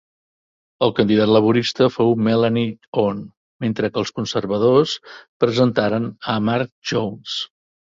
El candidat laborista fou Melanie Onn, mentre que els Conservadors presentaren a Marc Jones.